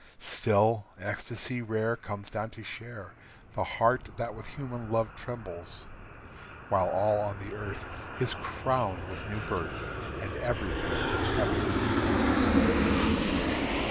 Still, ecstasy rare Comes down to share The heart that with human love trembles; While all on the earth Is crowned with new birth And everything heaven resembles.